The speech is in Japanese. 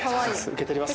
受け取ります。